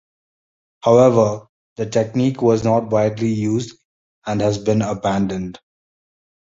However, the technique was not widely used and has been abandoned.